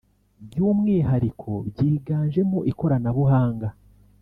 by’umwihariko byiganjemo ikoranabuhanga